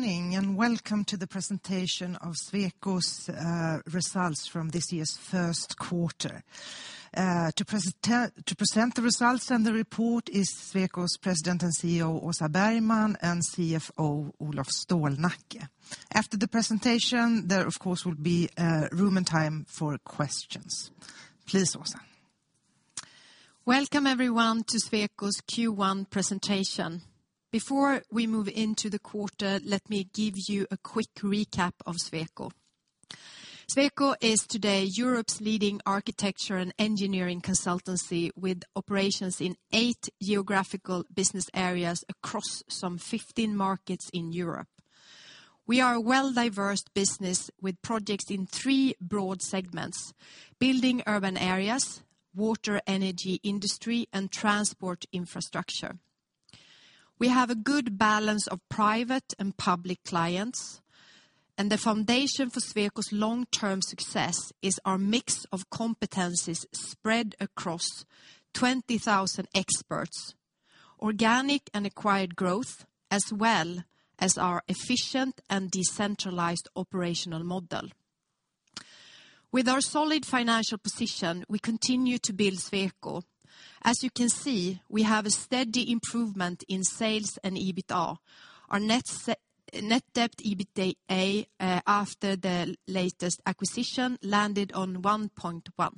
Good morning. Welcome to the presentation of Sweco's results from this year's first quarter. To present the results and the report is Sweco's President and CEO, Åsa Bergman, and CFO, Olof Stålnacke. After the presentation, there of course will be room and time for questions. Please, Åsa. Welcome, everyone, to Sweco's Q1 presentation. Before we move into the quarter, let me give you a quick recap of Sweco. Sweco is today Europe's leading architecture and engineering consultancy with operations in eight geographical Business Areas across some 15 markets in Europe. We are a well-diversed business with projects in three broad segments: building urban areas, water energy industry, and transport infrastructure. The foundation for Sweco's long-term success is our mix of competencies spread across 20,000 experts, organic and acquired growth, as well as our efficient and decentralized operational model. With our solid financial position, we continue to build Sweco. As you can see, we have a steady improvement in sales and EBITDA. Our net debt EBITDA after the latest acquisition landed on 1.1.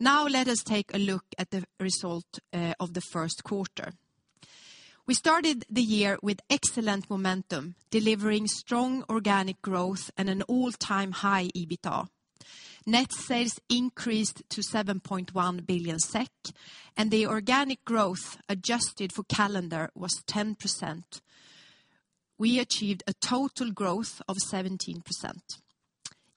Let us take a look at the result of the first quarter. We started the year with excellent momentum, delivering strong organic growth and an all-time high EBITDA. Net sales increased to 7.1 billion SEK. The organic growth adjusted for calendar was 10%. We achieved a total growth of 17%.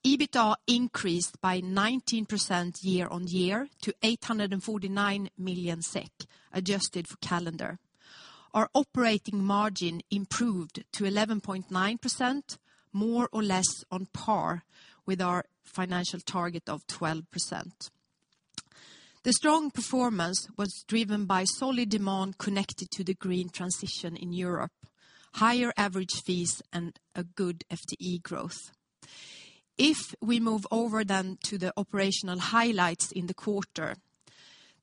EBITDA increased by 19% year-over-year to 849 million SEK, adjusted for calendar. Our operating margin improved to 11.9%, more or less on par with our financial target of 12%. The strong performance was driven by solid demand connected to the green transition in Europe, higher average fees, and a good FTE growth. If we move over then to the operational highlights in the quarter,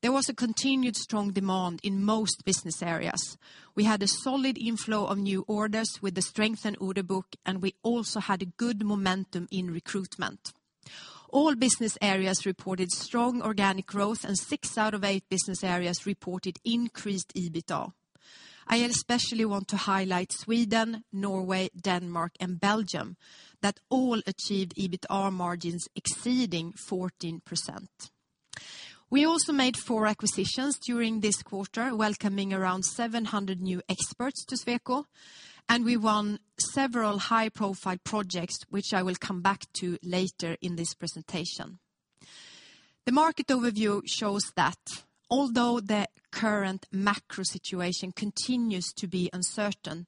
there was a continued strong demand in most Business Areas. We had a solid inflow of new orders with the strength in order book, and we also had a good momentum in recruitment. All Business Areas reported strong organic growth, and six out of eight Business Areas reported increased EBITDA. I especially want to highlight Sweden, Norway, Denmark, and Belgium, that all achieved EBITDA margins exceeding 14%. We also made four acquisitions during this quarter, welcoming around 700 new experts to Sweco, and we won several high-profile projects, which I will come back to later in this presentation. The market overview shows that although the current macro situation continues to be uncertain,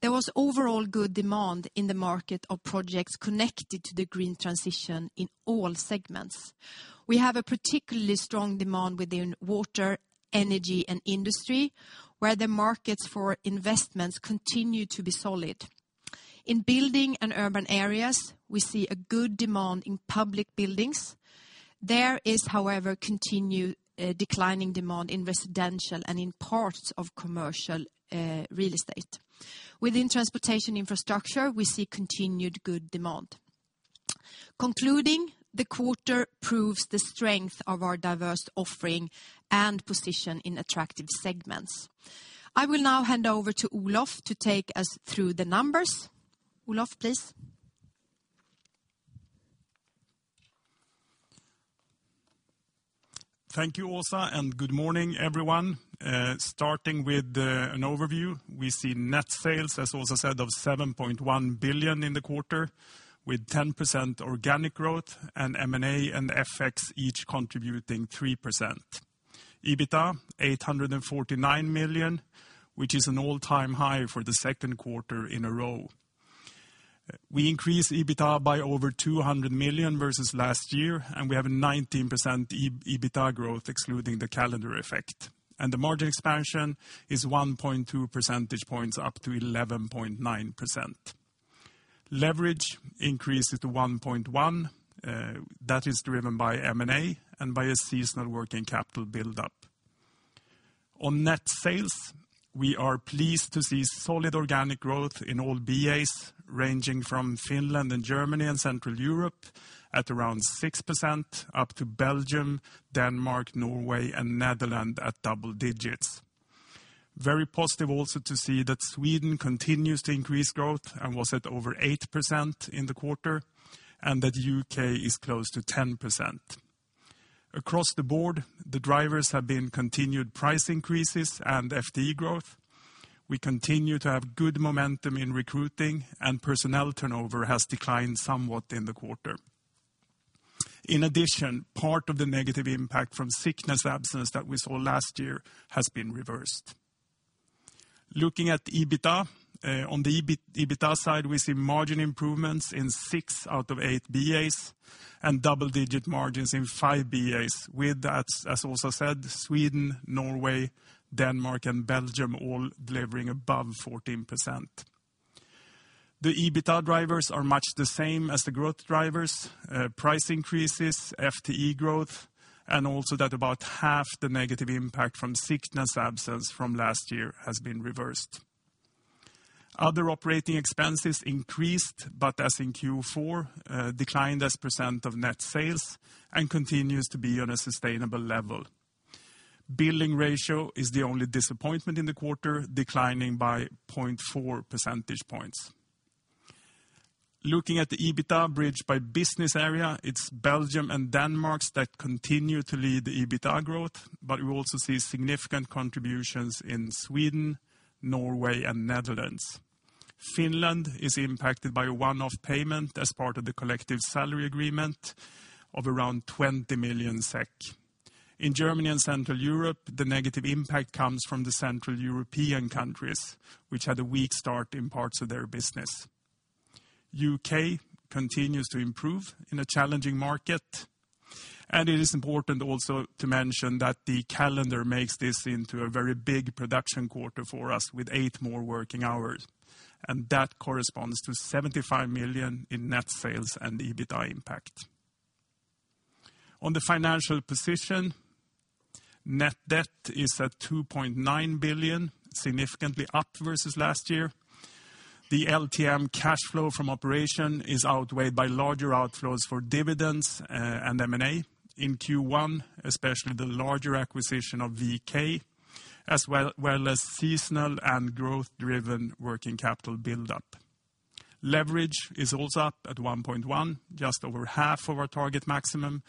there was overall good demand in the market of projects connected to the green transition in all segments. We have a particularly strong demand within water, energy, and industry, where the markets for investments continue to be solid. In building and urban areas, we see a good demand in public buildings. There is, however, continued, declining demand in residential and in parts of commercial, real estate. Within transportation infrastructure, we see continued good demand. Concluding, the quarter proves the strength of our diverse offering and position in attractive segments. I will now hand over to Olof to take us through the numbers. Olof, please. Thank you, Åsa, and good morning, everyone. Starting with an overview, we see net sales, as Åsa said, of 7.1 billion in the quarter, with 10% organic growth, M&A and FX each contributing 3%. EBITDA, 849 million, which is an all-time high for the second quarter in a row. We increased EBITDA by over 200 million versus last year, and we have a 19% E-EBITDA growth, excluding the calendar effect. The margin expansion is 1.2 percentage points up to 11.9%. Leverage increases to 1.1, that is driven by M&A and by a seasonal working capital buildup. On net sales, we are pleased to see solid organic growth in all BAs, ranging from Finland and Germany and Central Europe at around 6%, up to Belgium, Denmark, Norway, and Netherlands at double digits. Very positive also to see that Sweden continues to increase growth and was at over 8% in the quarter, and that UK is close to 10%. Across the board, the drivers have been continued price increases and FTE growth. We continue to have good momentum in recruiting, and personnel turnover has declined somewhat in the quarter. In addition, part of the negative impact from sickness absence that we saw last year has been reversed. Looking at EBITDA, on the EBITDA side, we see margin improvements in six out of eight BAs, and double-digit margins in five BAs. With that, as Åsa said, Sweden, Norway, Denmark, and Belgium all delivering above 14%. The EBITDA drivers are much the same as the growth drivers, price increases, FTE growth, and also that about half the negative impact from sickness absence from last year has been reversed. Other operating expenses increased, as in Q4, declined as % of net sales and continues to be on a sustainable level. Billing ratio is the only disappointment in the quarter, declining by 0.4 percentage points. Looking at the EBITDA bridge by Business Area, it's Belgium and Denmark that continue to lead the EBITDA growth, we also see significant contributions in Sweden, Norway, and Netherlands. Finland is impacted by a one-off payment as part of the collective salary agreement of around 20 million SEK. In Germany and Central Europe, the negative impact comes from the Central European countries, which had a weak start in parts of their business. U.K. continues to improve in a challenging market. It is important also to mention that the calendar makes this into a very big production quarter for us with eight more working hours, and that corresponds to 75 million in net sales and EBITDA impact. On the financial position, net debt is at 2.9 billion, significantly up versus last year. The LTM cash flow from operation is outweighed by larger outflows for dividends and M&A. In Q1, especially the larger acquisition of VK, as well as seasonal and growth-driven working capital buildup. Leverage is also up at 1.1, just over half of our target maximum.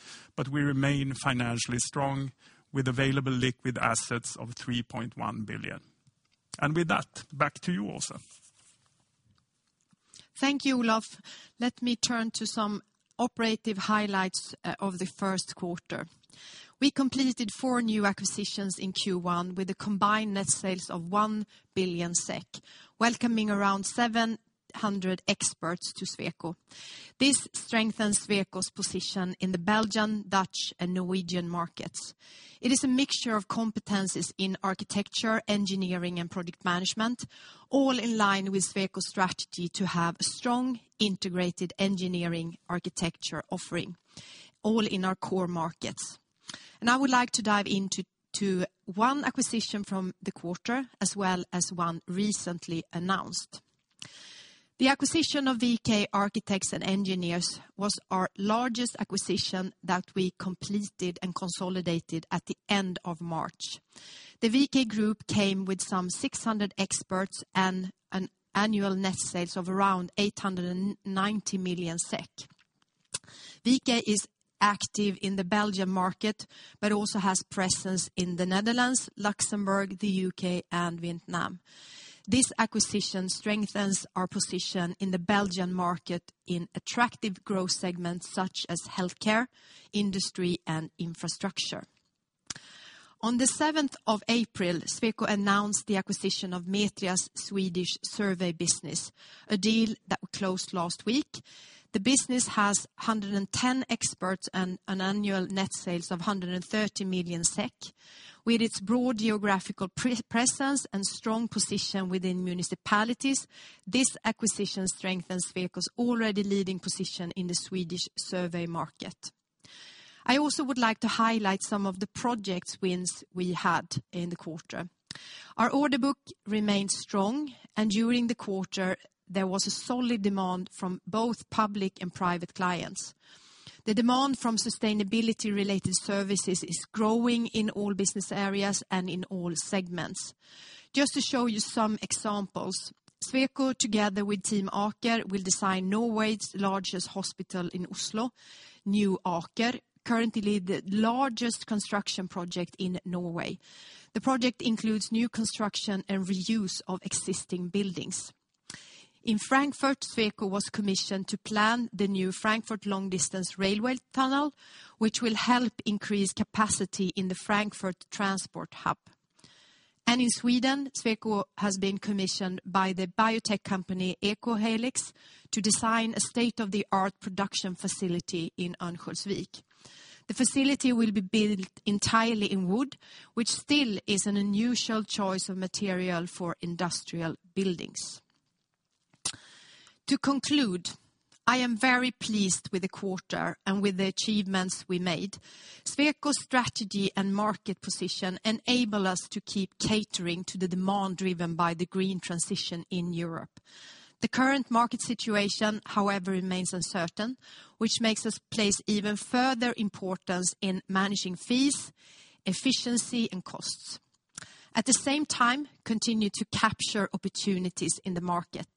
We remain financially strong with available liquid assets of 3.1 billion. With that, back to you, Åsa. Thank you, Olof. Let me turn to some operative highlights of the first quarter. We completed four new acquisitions in Q1 with a combined net sales of 1 billion SEK, welcoming around 700 experts to Sweco. This strengthens Sweco's position in the Belgian, Dutch, and Norwegian markets. It is a mixture of competencies in architecture, engineering, and product management, all in line with Sweco strategy to have strong integrated engineering architecture offering, all in our core markets. I would like to dive into one acquisition from the quarter, as well as 1 recently announced. The acquisition of VK architects+engineers was our largest acquisition that we completed and consolidated at the end of March. The VK group came with some 600 experts and an annual net sales of around 890 million SEK. VK is active in the Belgium market, but also has presence in the Netherlands, Luxembourg, the UK, and Vietnam. This acquisition strengthens our position in the Belgian market in attractive growth segments such as healthcare, industry, and infrastructure. On the 7th of April, Sweco announced the acquisition of Metria's Swedish survey business, a deal that closed last week. The business has 110 experts and an annual net sales of 130 million SEK. With its broad geographical presence and strong position within municipalities, this acquisition strengthens Sweco's already leading position in the Swedish survey market. I also would like to highlight some of the projects wins we had in the quarter. Our order book remained strong. During the quarter, there was a solid demand from both public and private clients. The demand from sustainability-related services is growing in all Business Areas and in all segments. Just to show you some examples, Sweco, together with Team Aker, will design Norway's largest hospital in Oslo, New Aker, currently the largest construction project in Norway. The project includes new construction and reuse of existing buildings. In Frankfurt, Sweco was commissioned to plan the new Frankfurt long-distance railway tunnel, which will help increase capacity in the Frankfurt transport hub. In Sweden, Sweco has been commissioned by the biotech company Ecohelix to design a state-of-the-art production facility in Örnsköldsvik. The facility will be built entirely in wood, which still is an unusual choice of material for industrial buildings. To conclude, I am very pleased with the quarter and with the achievements we made. Sweco strategy and market position enable us to keep catering to the demand driven by the green transition in Europe. The current market situation, however, remains uncertain, which makes us place even further importance in managing fees, efficiency, and costs. At the same time, continue to capture opportunities in the market.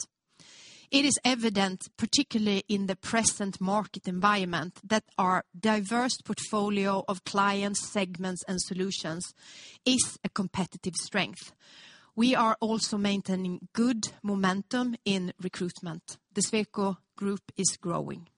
It is evident, particularly in the present market environment, that our diverse portfolio of clients, segments, and solutions is a competitive strength. We are also maintaining good momentum in recruitment. The Sweco Group is growing.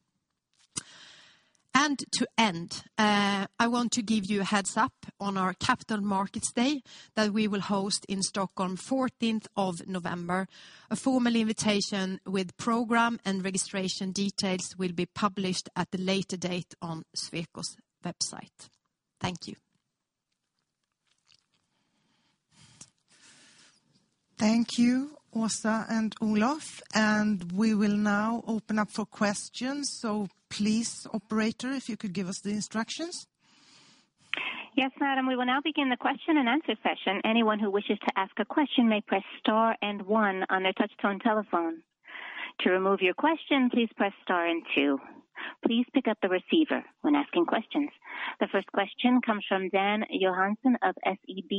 To end, I want to give you a heads-up on our capital markets day that we will host in Stockholm 14th of November. A formal invitation with program and registration details will be published at the later date on Sweco's website. Thank you. Thank you, Åsa and Olof. We will now open up for questions. Please, operator, if you could give us the instructions. Yes, madam. We will now begin the question-and-answer session. Anyone who wishes to ask a question may press star and one on their touchtone telephone. To remove your question, please press star and two. Please pick up the receiver when asking questions. The first question comes from Dan Johansson of SEB.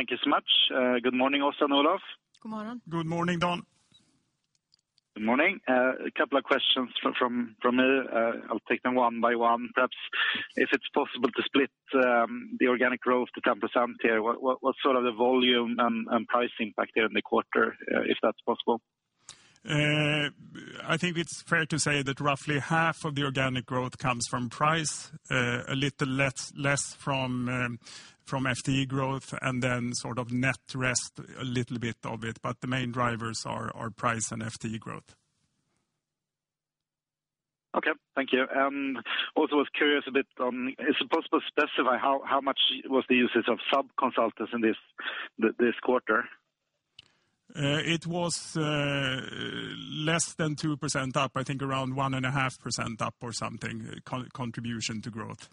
Thank you so much. Good morning, Åsa and Olof. Good morning. Good morning, Dan. Good morning. A couple of questions from here. I'll take them one by one. That's if it's possible to split, the organic growth to 10% here, what's sort of the volume and pricing back there in the quarter, if that's possible? I think it's fair to say that roughly half of the organic growth comes from price, a little less from FTE growth and then sort of net rest, a little bit of it, but the main drivers are price and FTE growth. Thank you. Also was curious a bit, is it possible to specify how much was the usage of sub-consultants in this quarter? it was less than 2% up, I think around 1.5% up or something, contribution to growth.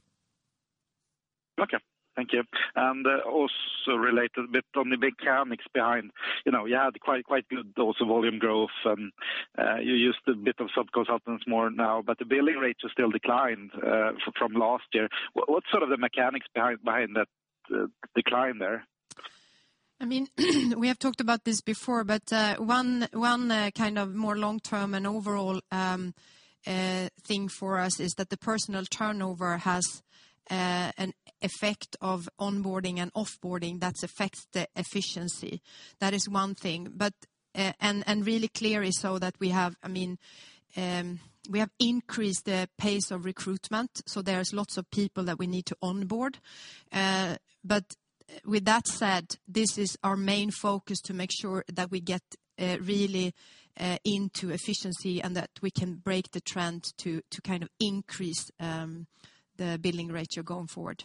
Okay, thank you. Also related a bit on the mechanics behind, you know, you had quite good also volume growth and you used a bit of sub-consultants more now, but the billing rates are still declined from last year. What's sort of the mechanics behind that decline there? I mean, we have talked about this before, but one kind of more long-term and overall thing for us is that the personal turnover has an effect of onboarding and offboarding that affects the efficiency. That is one thing. Really clearly so that we have, I mean, we have increased the pace of recruitment, so there's lots of people that we need to onboard. With that said, this is our main focus to make sure that we get really into efficiency and that we can break the trend to kind of increase the billing ratio going forward.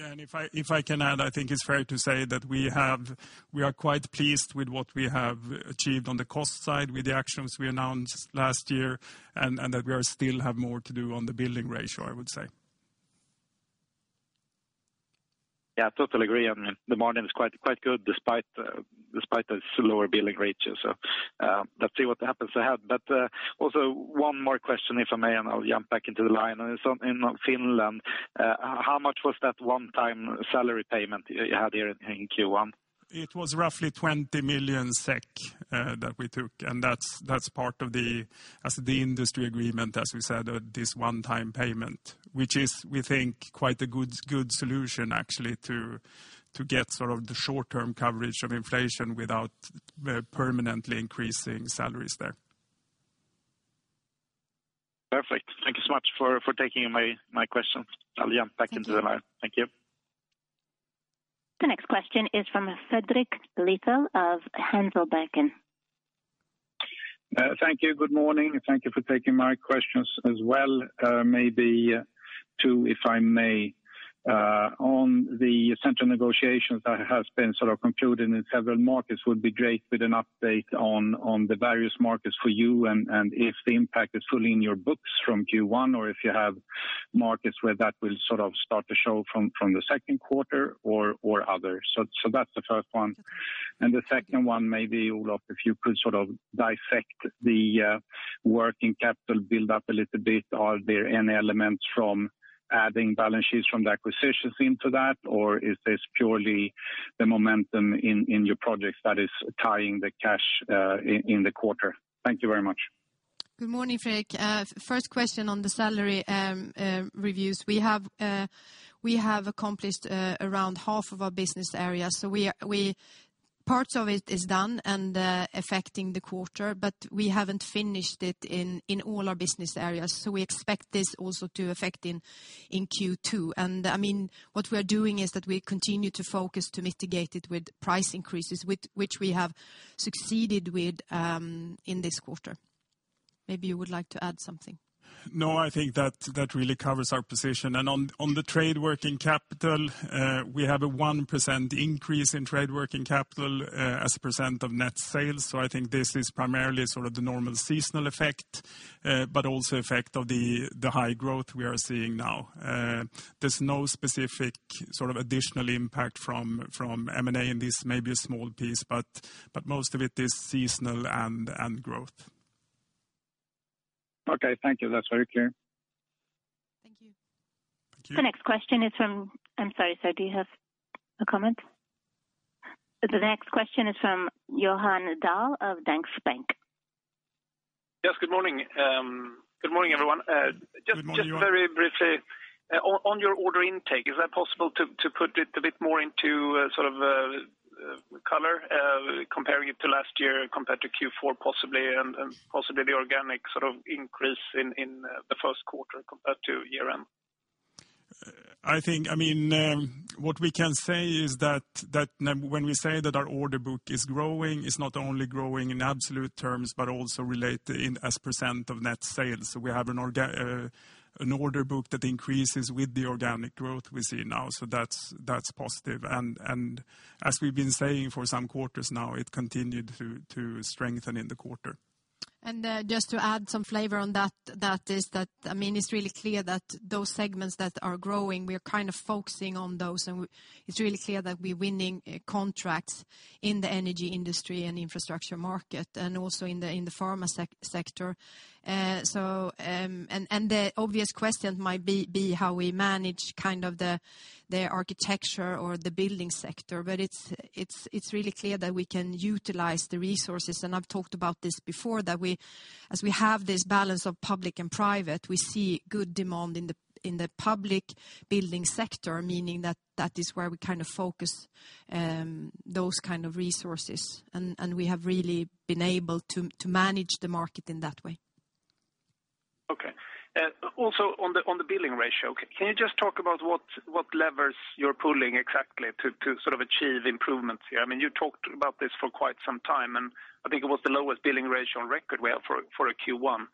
If I, if I can add, I think it's fair to say that we are quite pleased with what we have achieved on the cost side with the actions we announced last year and that we are still have more to do on the billing ratio, I would say. Yeah, totally agree. I mean, the margin is quite good despite the slower billing ratio. Let's see what happens ahead. Also one more question, if I may, and I'll jump back into the line. It's in Finland, how much was that one-time salary payment you had here in Q1? It was roughly 20 million SEK that we took. That's part of the, as the industry agreement, as we said, this one-time payment, which is, we think, quite a good solution actually to get sort of the short-term coverage of inflation without permanently increasing salaries there. Perfect. Thank you so much for taking my questions. I'll jump back into the line. Thank you. The next question is from Fredrik Lithell of Handelsbanken. Thank you. Good morning, and thank you for taking my questions as well. Maybe two, if I may. On the central negotiations that has been sort of concluded in several markets, would be great with an update on the various markets for you and if the impact is fully in your books from Q1 or if you have markets where that will sort of start to show from the second quarter or other. That's the first one. The second one, maybe, Olof, if you could sort of dissect the working capital build up a little bit. Are there any elements from adding balance sheets from the acquisitions into that? Or is this purely the momentum in your projects that is tying the cash in the quarter? Thank you very much. Good morning, Fredrik. First question on the salary reviews. We have accomplished around half of our Business Areas. Parts of it is done and affecting the quarter, but we haven't finished it in all our Business Areas. We expect this also to affect in Q2. I mean, what we are doing is that we continue to focus to mitigate it with price increases, which we have succeeded with in this quarter. Maybe you would like to add something. I think that really covers our position. On the trade working capital, we have a 1% increase in trade working capital, as percent of net sales. I think this is primarily sort of the normal seasonal effect, but also effect of the high growth we are seeing now. There's no specific sort of additional impact from M&A in this, maybe a small piece, but most of it is seasonal and growth. Okay, thank you. That's very clear. Thank you. Thank you. The next question is from. I'm sorry, sir, do you have a comment? The next question is from Johan Dahl of Danske Bank. Yes, good morning. Good morning, everyone. Good morning, Johan. Just very briefly, on your order intake, is that possible to put it a bit more into sort of? Color, comparing it to last year compared to Q4 possibly, and possibly the organic sort of increase in the first quarter compared to year-end. I think, I mean, what we can say is that when we say that our order book is growing, it's not only growing in absolute terms, but also relate in as percent of net sales. We have an order book that increases with the organic growth we see now, that's positive. As we've been saying for some quarters now, it continued to strengthen in the quarter. Just to add some flavor on that is that, I mean, it's really clear that those segments that are growing, we are kind of focusing on those, and it's really clear that we're winning contracts in the energy industry and infrastructure market, and also in the pharma sector. The obvious question might be how we manage kind of the architecture or the building sector. It's really clear that we can utilize the resources. I've talked about this before, that we, as we have this balance of public and private, we see good demand in the public building sector, meaning that that is where we kind of focus, those kind of resources. We have really been able to manage the market in that way. Okay. Also on the billing ratio, can you just talk about what levers you're pulling exactly to sort of achieve improvements here? I mean, you talked about this for quite some time, and I think it was the lowest billing ratio on record we have for a Q1.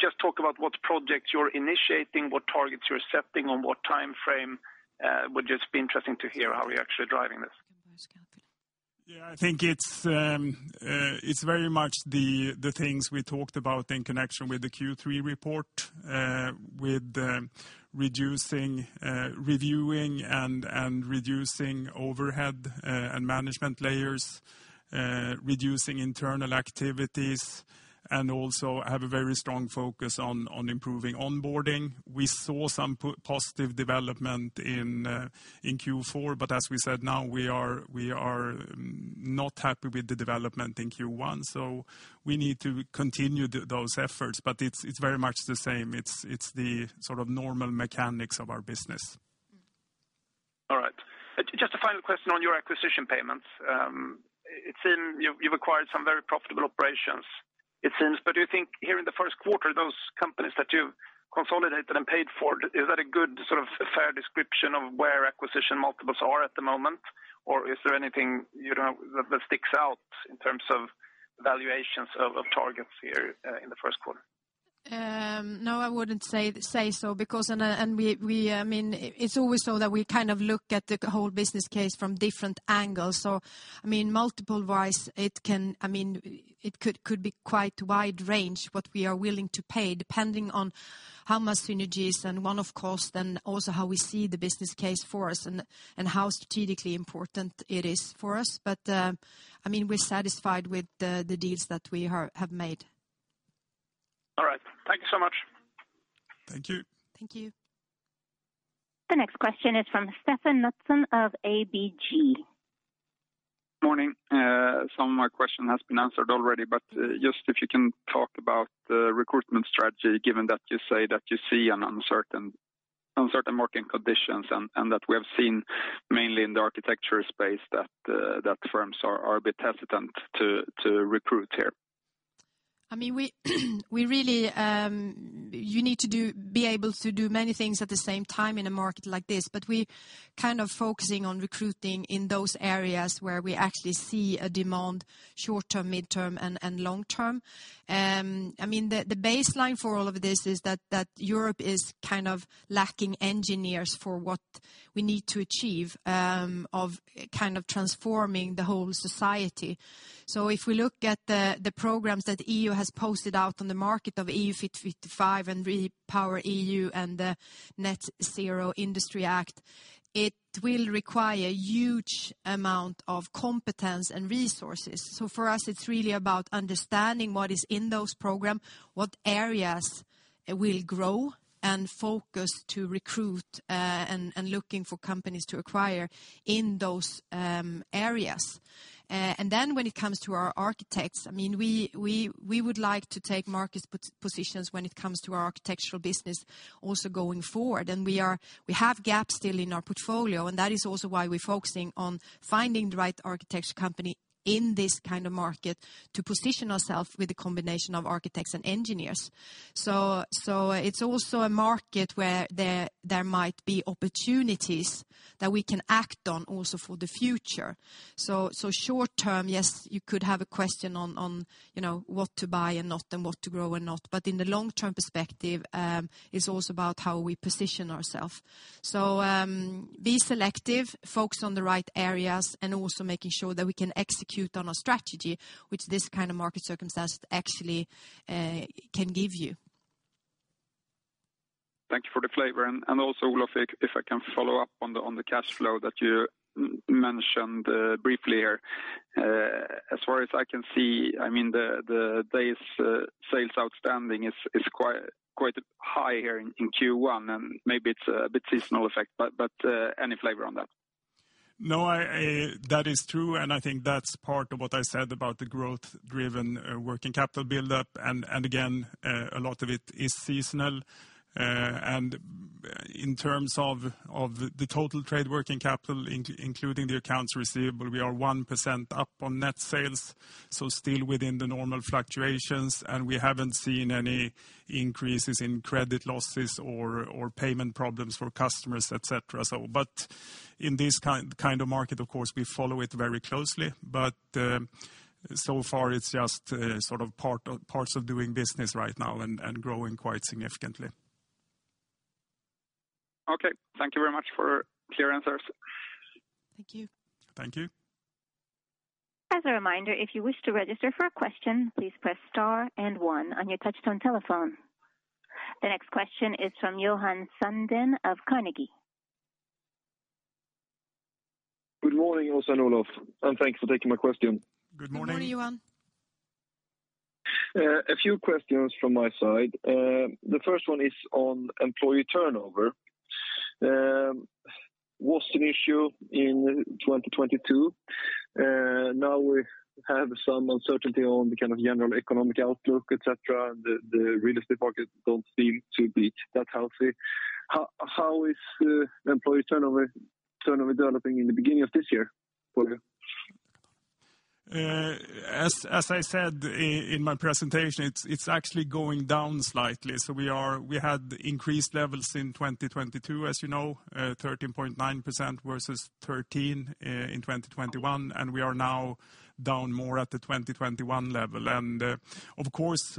Just talk about what projects you're initiating, what targets you're accepting, on what timeframe. Would just be interesting to hear how you're actually driving this. I think it's very much the things we talked about in connection with the Q3 report, with reducing, reviewing and reducing overhead and management layers, reducing internal activities, and also have a very strong focus on improving onboarding. We saw some positive development in Q4. As we said, now we are not happy with the development in Q1. We need to continue those efforts. It's very much the same. It's the sort of normal mechanics of our business. All right. Just a final question on your acquisition payments. It seem you've acquired some very profitable operations it seems. Do you think here in the first quarter, those companies that you've consolidated and paid for, is that a good sort of fair description of where acquisition multiples are at the moment? Or is there anything, you know, that sticks out in terms of valuations of targets here in the first quarter? No, I wouldn't say so because I mean, it's always so that we kind of look at the whole business case from different angles. I mean, multiple-wise, it can, I mean, it could be quite wide range what we are willing to pay, depending on how much synergies and one-off costs, then also how we see the business case for us and how strategically important it is for us. I mean, we're satisfied with the deals that we have made. All right. Thank you so much. Thank you. Thank you. The next question is from Steffen Knutsen of ABG. Morning. Some of my question has been answered already, but, just if you can talk about the recruitment strategy, given that you say that you see an uncertain working conditions and that we have seen mainly in the architecture space that firms are a bit hesitant to recruit here. I mean, we really need to be able to do many things at the same time in a market like this. We kind of focusing on recruiting in those areas where we actually see a demand short-term, mid-term, and long-term. I mean, the baseline for all of this is that Europe is kind of lacking engineers for what we need to achieve, of kind of transforming the whole society. If we look at the programs that EU has posted out on the market of EU Fit for 55 and REPowerEU and the Net-Zero Industry Act, it will require huge amount of competence and resources. For us, it's really about understanding what is in those program, what areas will grow, and focus to recruit, and looking for companies to acquire in those areas. When it comes to our architects, I mean, we would like to take market positions when it comes to our architectural business also going forward. We have gaps still in our portfolio, and that is also why we're focusing on finding the right architecture company in this kind of market to position ourself with a combination of architects and engineers. It's also a market where there might be opportunities that we can act on also for the future. Short-term, yes, you could have a question on, you know, what to buy and not, and what to grow and not. In the long-term perspective, it's also about how we position ourself. Be selective, focus on the right areas, and also making sure that we can execute on our strategy, which this kind of market circumstance actually can give you. Thank you for the flavor. Also, Olof, if I can follow up on the cash flow that you mentioned briefly here. As far as I can see, I mean, the days sales outstanding is quite high here in Q1, and maybe it's a bit seasonal effect, but any flavor on that? No, I, that is true, and I think that's part of what I said about the growth-driven, working capital buildup. Again, a lot of it is seasonal. In terms of the total trade working capital including the accounts receivable, we are 1% up on net sales, so still within the normal fluctuations. We haven't seen any increases in credit losses or payment problems for customers, et cetera. In this kind of market, of course, we follow it very closely. So far it's just sort of parts of doing business right now and growing quite significantly. Okay. Thank you very much for clear answers. Thank you. Thank you. As a reminder, if you wish to register for a question, please press star and one on your touchtone telephone. The next question is from Johan Sundén of Carnegie. Good morning, Åsa and Olof. Thanks for taking my question. Good morning. Good morning, Johan. A few questions from my side. The first one is on employee turnover. Was an issue in 2022. Now we have some uncertainty on the kind of general economic outlook, et cetera. The real estate market don't seem to be that healthy. How is employee turnover developing in the beginning of this year for you? as I said in my presentation, it's actually going down slightly. We had increased levels in 2022, as you know, 13.9% versus 13% in 2021, and we are now down more at the 2021 level. Of course,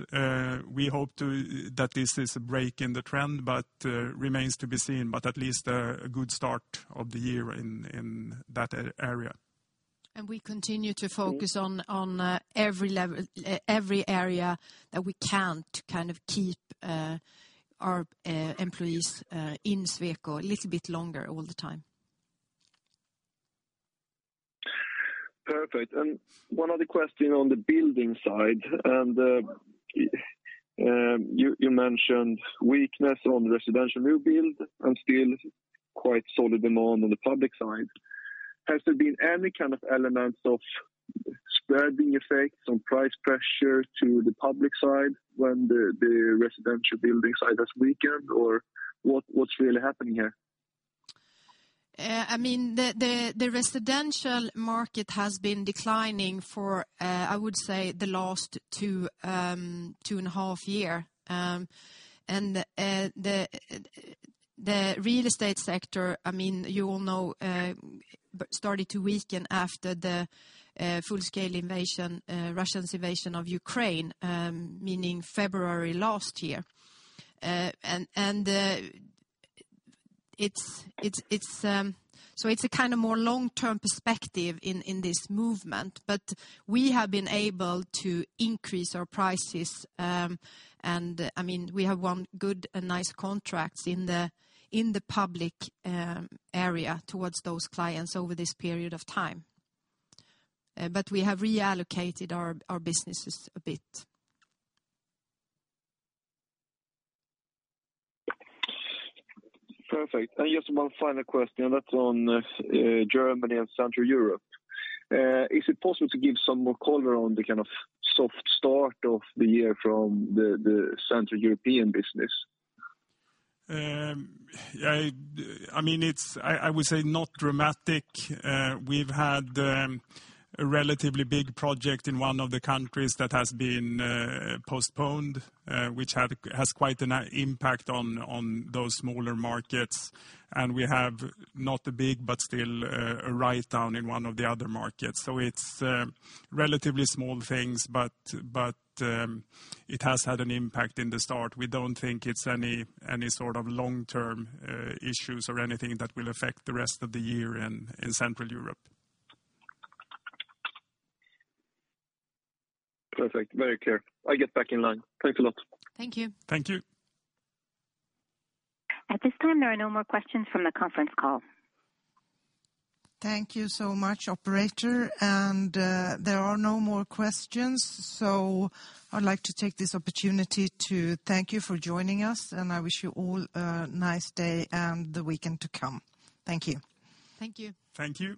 we hope to that this is a break in the trend, but remains to be seen. At least, a good start of the year in that area. We continue to focus on every level, every area that we can to kind of keep our employees in Sweco a little bit longer all the time. Perfect. One other question on the building side. You mentioned weakness on residential new build and still quite solid demand on the public side. Has there been any kind of elements of spreading effects on price pressure to the public side when the residential building side has weakened? Or what's really happening here? I mean, the residential market has been declining for, I would say, the last two and a half year. The real estate sector, I mean, you all know, started to weaken after the full-scale invasion, Russian invasion of Ukraine, meaning February last year. It's so it's a kind of more long-term perspective in this movement. We have been able to increase our prices. I mean, we have won good and nice contracts in the public area towards those clients over this period of time. We have reallocated our businesses a bit. Perfect. Just one final question, that's on Germany and Central Europe. Is it possible to give some more color on the kind of soft start of the year from the Central European business? I mean, it's, I would say not dramatic. We've had a relatively big project in one of the countries that has been postponed, which has quite an impact on those smaller markets. We have, not big, but still, a write-down in one of the other markets. It's relatively small things, but it has had an impact in the start. We don't think it's any sort of long-term issues or anything that will affect the rest of the year in Central Europe. Perfect. Very clear. I get back in line. Thanks a lot. Thank you. Thank you. At this time, there are no more questions from the conference call. Thank you so much, operator. There are no more questions. I'd like to take this opportunity to thank you for joining us. I wish you all a nice day and the weekend to come. Thank you. Thank you. Thank you.